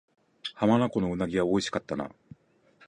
浜名湖の鰻は美味しかったな